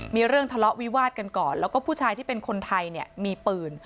มีเรื่องทะเลาะวิวาดกันก่อนแล้วก็ผู้ชายที่เป็นคนไทยเนี่ยมีปืน